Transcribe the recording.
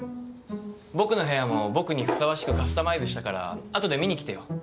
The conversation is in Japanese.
僕の部屋も僕にふさわしくカスタマイズしたから後で見に来てよ。